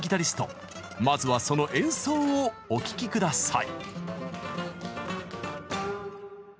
まずはその演奏をお聴き下さい！